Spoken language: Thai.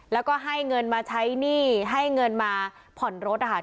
แล้วก็ให้เงินมาใช้หนี้ให้เงินมาผ่อนรถนะคะ